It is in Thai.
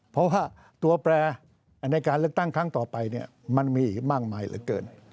เพราะตัวแปรในการเริกตั้งทั้งต่อไปมันมีมากมายเกิน